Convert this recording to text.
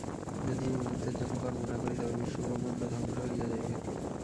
যদি আমি মুহূর্তের জন্য কর্ম না করি, তবে বিশ্বব্রহ্মাণ্ড ধ্বংস হইয়া যাইবে।